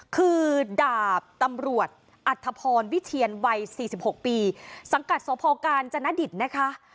คือดาบตำรวจอัธพรวิเทียนวัย๔๖ปีสังกัดสพกาญจนดิตนะคะ